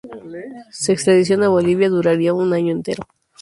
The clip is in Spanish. Su extradición a Bolivia duraría un año entero.